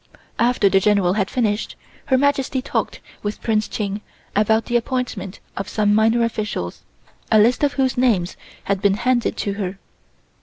After the General had finished, Her Majesty talked with Prince Ching about the appointment of some minor officials, a list of whose names had been handed to her.